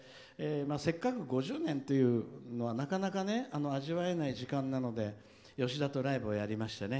せっかくね、５０年というのはなかなか味わえない時間なので吉田とライブをやりましてね